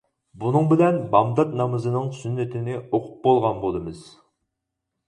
بۇنىڭ بىلەن بامدات نامىزىنىڭ سۈننىتىنى ئوقۇپ بولغان بولىمىز.